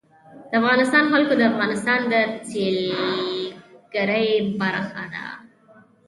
د افغانستان جلکو د افغانستان د سیلګرۍ برخه ده.